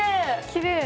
きれい！